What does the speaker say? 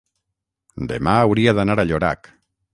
demà hauria d'anar a Llorac.